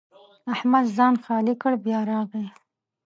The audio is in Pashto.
احمد ځان خالي کړ؛ بیا راغی.